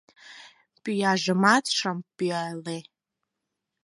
Пӱяжымат шым пӱяле